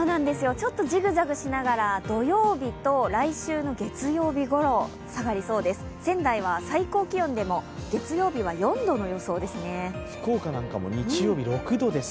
ジグザグしながら、土曜日と来週の月曜日ごろ、下がりそうです。